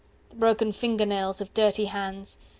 The broken finger nails of dirty hands.